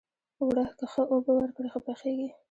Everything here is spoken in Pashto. اوړه که ښه اوبه ورکړې، ښه پخیږي